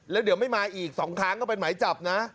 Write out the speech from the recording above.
แล้วเดี๋ยวไม่มาอีก๒ครั้งก็เป็นหมายจับนะ